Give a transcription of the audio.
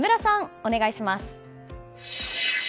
お願いします。